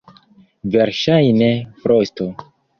Verŝajne frosto.